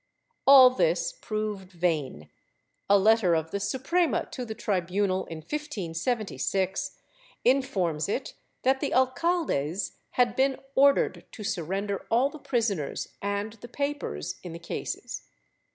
All this proved vain. A letter of the Suprema to the tribunal, in 1576, informs it that the alcaldes had been ordered to surrender all the prisoners and the papers in the cases.